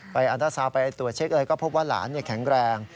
อันตราซาวไปตรวจเช็คอะไรก็พบว่าหลานแข็งแรง